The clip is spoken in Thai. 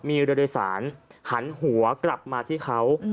มีเรือโดยสารหันหัวกลับมาที่เขา